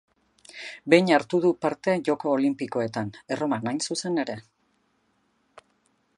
Behin hartu du parte Joko Olinpikoetan: Erroman hain zuzen ere.